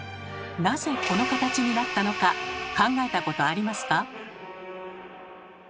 なぜこの形になったのか考えたことありますか？